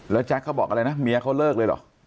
แล้วแจ๊คเขาบอกอะไรนะเมียเขาเลิกเลยเหรอ